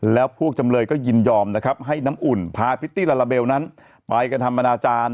แล้วพวกจำเลยก็ยินยอมนะครับให้น้ำอุ่นพาพิตตี้ลาลาเบลนั้นไปกระทำอนาจารย์